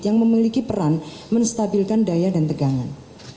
yang memiliki peran menstabilkan daya dan tegangan